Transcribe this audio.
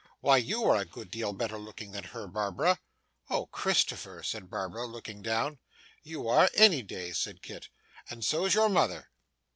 Why YOU are a good deal better looking than her, Barbara.' 'Oh Christopher!' said Barbara, looking down. 'You are, any day,' said Kit, ' and so's your mother.